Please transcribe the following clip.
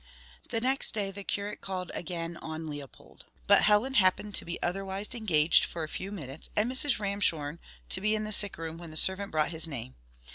The next day the curate called again on Leopold. But Helen happened to be otherwise engaged for a few minutes, and Mrs. Ramshorn to be in the sick room when the servant brought his name.